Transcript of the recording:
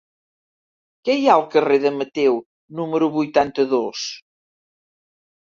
Què hi ha al carrer de Mateu número vuitanta-dos?